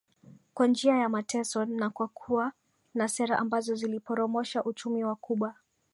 kwa njia ya mateso na kwa kuwa na sera ambazo ziliporomosha uchumi wa Cuba